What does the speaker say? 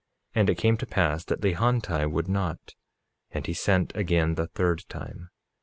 And it came to pass that Lehonti would not; and he sent again the third time.